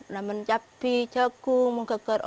tapi saya bisa ke kota